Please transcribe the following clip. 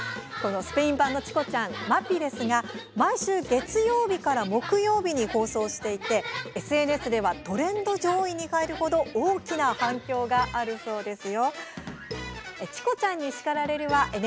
スペイン版「チコちゃん」「ＭＡＰＩ」ですが毎週月曜日から木曜日放送していてＳＮＳではトレンド上位に入る程大きな反響があるそうです。